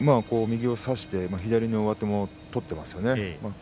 右を差して左の上手も取っていますね。